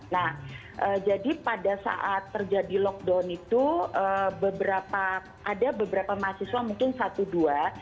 nah jadi pada saat terjadi lockdown itu ada beberapa mahasiswa mungkin satu dua